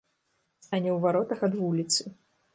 Стане ў варотах ад вуліцы.